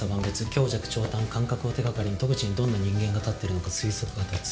強弱長短間隔を手掛かりに戸口にどんな人間が立ってるのか推測が立つ。